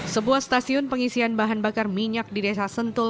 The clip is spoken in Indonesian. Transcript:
sebuah stasiun pengisian bahan bakar minyak di desa sentul